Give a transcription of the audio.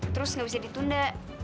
terus nggak bisa ditunda